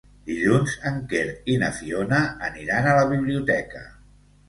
Dilluns en Quer i na Fiona aniran a la biblioteca.